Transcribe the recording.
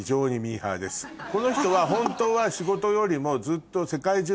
この人は本当は仕事よりもずっと世界中。